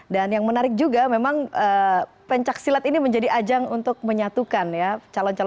dan yang menarik juga memang pencaksilat ini menjadi ajang untuk menyatukan ya